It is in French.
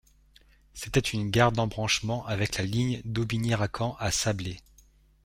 C'était une gare d'embranchement avec la ligne d'Aubigné-Racan à Sablé.